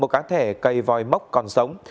một cá thể cây vòi mốc còn sống